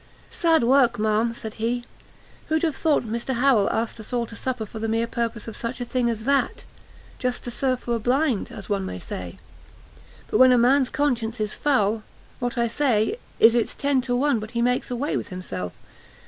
"Sad work, ma'am," said he; "who'd have thought Mr Harrel asked us all to supper for the mere purpose of such a thing as that! just to serve for a blind, as one may say. But when a man's conscience is foul, what I say is it's ten to one but he makes away with himself.